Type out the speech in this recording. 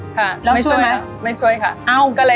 ค่ะไม่ช่วยค่ะ